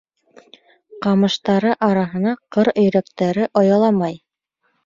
Ҡамыштары араһына ҡыр өйрәктәре ояламай.